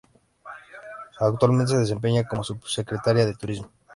Actualmente se desempeña como subsecretaria de Turismo.